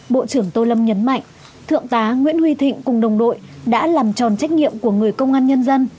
bộ trưởng tô lâm nhấn mạnh thượng tá nguyễn huy thịnh cùng đồng đội đã làm tròn trách nhiệm của người công an nhân dân